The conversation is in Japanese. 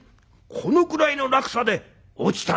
このくらいの落差で落ちたんだよ」